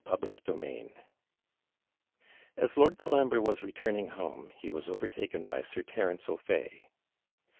CHAPTER XVII As Lord Colambre was returning home, he was overtaken by Sir Terence O'Fay.